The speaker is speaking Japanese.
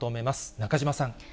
中島さん。